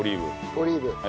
オリーブ。